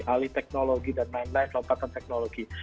ahli teknologi dan lain lain lompatan teknologi